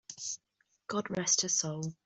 God rest her soul!